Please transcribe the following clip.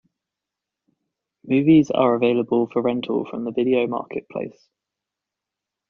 Movies are available for rental from the Video Marketplace.